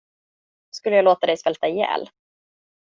Skulle jag låta dig svälta ihjäl?